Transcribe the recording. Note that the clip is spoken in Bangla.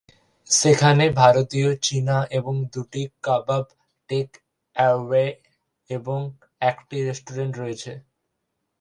সেখানে ভারতীয়, চীনা এবং দুটি কাবাব টেক-অ্যাওয়ে এবং একটি রেস্টুরেন্ট রয়েছে।